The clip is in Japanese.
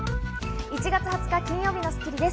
１月２０日、金曜日の『スッキリ』です。